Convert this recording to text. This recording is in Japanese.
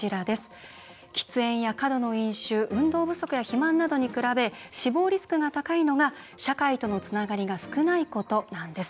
喫煙、過度の飲酒運動不足や肥満などに比べ死亡リスクが高いのが社会とのつながりが少ないことなんです。